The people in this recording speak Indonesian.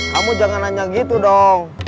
kamu jangan hanya gitu dong